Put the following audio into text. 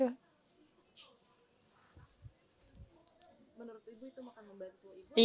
menurut ibu itu akan membantu ibu